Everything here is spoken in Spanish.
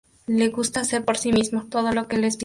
Le gusta hacer por sí mismo todo lo que le es posible.